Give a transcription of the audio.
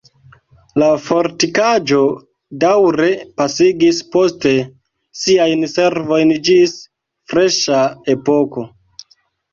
La fortikaĵo daŭre pasigis poste siajn servojn ĝis freŝa epoko.